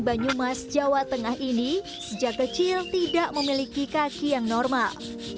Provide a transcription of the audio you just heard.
banyumas jawa tengah ini sejak kecil tidak memiliki kaki yang normal